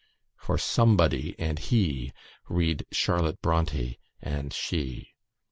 [For "somebody" and "he," read "Charlotte Bronte" and "she."